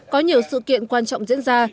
có nhiều sự kiện quan trọng diễn ra